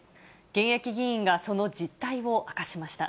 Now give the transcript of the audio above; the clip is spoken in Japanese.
現役議員がその実態を明かしました。